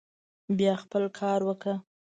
بيا خپل کار وکه.